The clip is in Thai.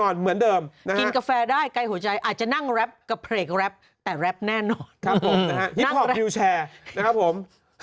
นะครับผม